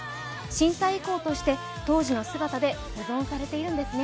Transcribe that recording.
震災遺構として当時の姿で保存されているんですね。